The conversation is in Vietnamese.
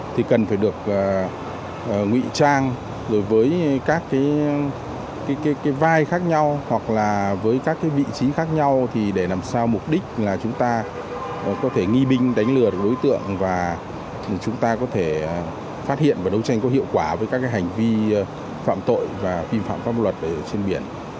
thì cần phải được ngụy trang rồi với các cái vai khác nhau hoặc là với các cái vị trí khác nhau thì để làm sao mục đích là chúng ta có thể nghi binh đánh lừa đối tượng và chúng ta có thể phát hiện và đấu tranh có hiệu quả với các cái hành vi phạm tội và phi phạm pháp luật ở trên biển